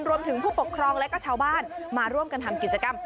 รวมถึงผู้ปกครองและก็ชาวบ้านมาร่วมกันทำกิจกรรม